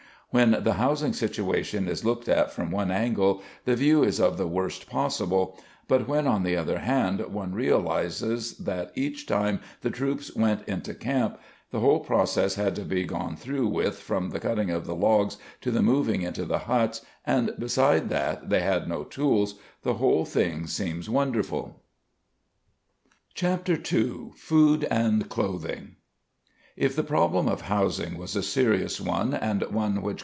When the housing situation is looked at from one angle the view is of the worst possible, but when on the other hand one realizes that each time the troops went into camp the whole process had to be gone through with from the cutting of the logs to the moving into the huts and beside that they had no tools, the whole thing seems wonderful. [Footnote 2: Van Tyne, The American Revolution, p. 44.] [Footnote 3: _Mass. Hist.